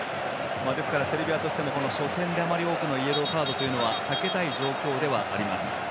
セルビアとしても初戦であまり多くのイエローカードは避けたい状況ではあります。